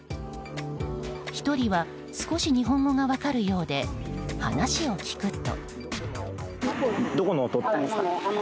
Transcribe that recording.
１人は少し日本語が分かるようで話を聞くと。